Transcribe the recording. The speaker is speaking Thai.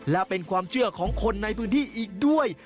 และเป็นความเชื่อของคนในพื้นที่อีกด้วย